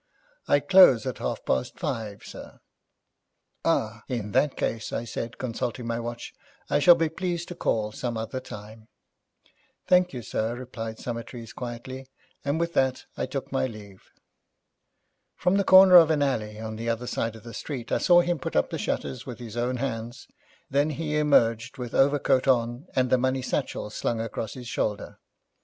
'I close at half past five, sir.' 'Ah, in that case,' I said, consulting my watch, 'I shall be pleased to call some other time.' 'Thank you, sir,' replied Summertrees quietly, and with that I took my leave. From the corner of an alley on the other side of the street I saw him put up the shutters with his own hands, then he emerged with overcoat on, and the money satchel slung across his shoulder.